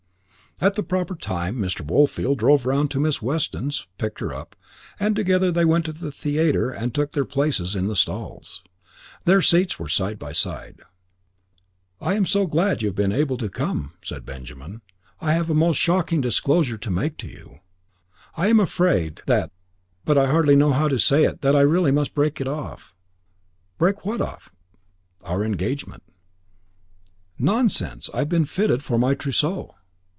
At the proper time Mr. Woolfield drove round to Miss Weston's, picked her up, and together they went to the theatre and took their places in the stalls. Their seats were side by side. "I am so glad you have been able to come," said Benjamin. "I have a most shocking disclosure to make to you. I am afraid that but I hardly know how to say it that I really must break it off." "Break what off?" "Our engagement." "Nonsense. I have been fitted for my trousseau."